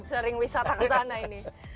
sering wisata kesana ini